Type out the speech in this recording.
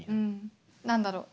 何だろう